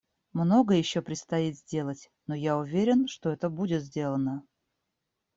Многое еще предстоит сделать, но я уверен, что это будет сделано.